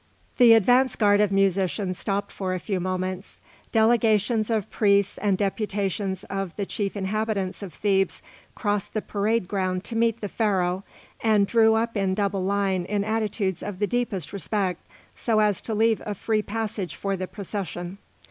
The advance guard of musicians stopped for a few moments. Delegations of priests and deputations of the chief inhabitants of Thebes crossed the parade ground to meet the Pharaoh, and drew up in double line in attitudes of the deepest respect so as to leave a free passage for the procession.